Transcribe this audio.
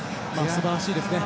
すばらしいです。